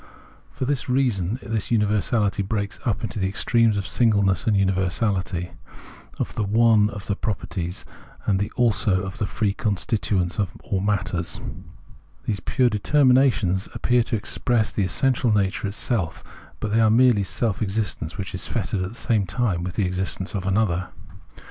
For that reason this universality breaks up into the extremes of singleness and universality, of the " one " of the properties and the " also " of the free constituents or "matters." These pure deter minations appear to express the essential nature itself ; but they are merely a self existence which is fettered at the same time with existence for an other.